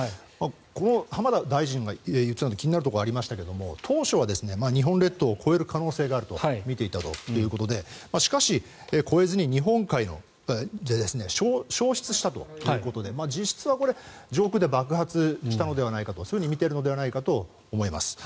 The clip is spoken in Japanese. この浜田大臣が言ってたところで気になるところがありますが当初は日本列島を越える可能性があるとみていたということでしかし、越えずに日本海で消失したということで実質はこれ、上空で爆発したのではないかとそう見ているのではないかと思います。